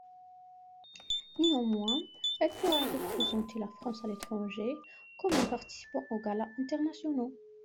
Néanmoins, elle pourra représenter la France à l'étranger, comme en participant aux galas internationaux.